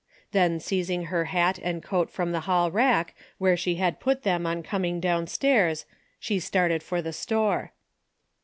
Then seizing her hat and coat from the hall rack where she had put them, on coming down stairs, she started for the store.